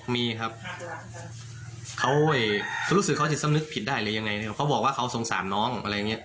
มีครับเขารู้สึกเขาจะสำนึกผิดได้หรือยังไงเนี่ยเขาบอกว่าเขาสงสารน้องอะไรอย่างนี้